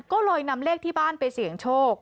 ก็เลยนำเลขที่บ้านไปเสี่ยงโชค